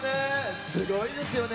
すごいですよね。